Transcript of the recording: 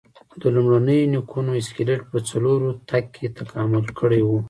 د لومړنیو نیکونو اسکلیټ په څلورو تګ کې تکامل کړی و.